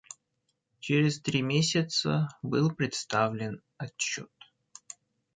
Через три месяца был представлен отчет.